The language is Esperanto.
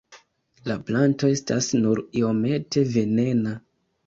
La planto estas nur iomete venena.